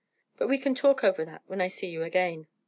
But we can talk over that when I see you again."